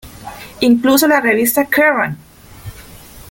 Incluso la revista "Kerrang!